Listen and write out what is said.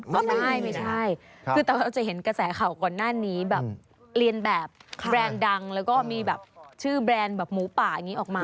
ไม่ใช่ไม่ใช่คือแต่เราจะเห็นกระแสข่าวก่อนหน้านี้แบบเรียนแบบแบรนด์ดังแล้วก็มีแบบชื่อแบรนด์แบบหมูป่าอย่างนี้ออกมา